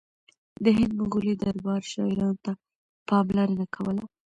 د هند مغلي دربار شاعرانو ته پاملرنه کوله